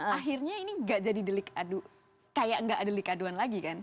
akhirnya ini gak jadi delik adu kayak nggak ada delik aduan lagi kan